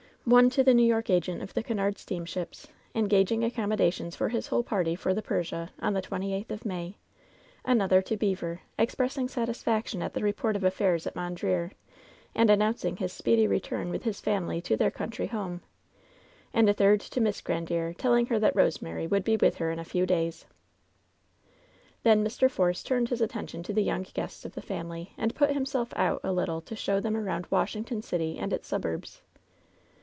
One to the New York agent of the Cunard steam ships, engaging accommodations for his whole party for the Persia, on the twenty eighth of May; another to Beever, expressing satisfaction at the report of affairs at Mondreer, and announcing his speedy return with his family to their country home ; and a third to Miss Gran diere, telling her that Eosemary would be with her in a few days. Then Mr. Force turned his attention to the young guests of the family, and put himself out a little to show them around Washington City and its suburbs.